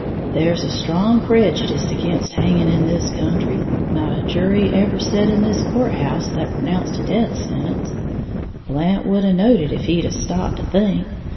There's a strong prejudyce again' hanging in this country, not a jury ever set in this court house that pronounced a death sentence, Blant would a knowed it if he had stopped to think.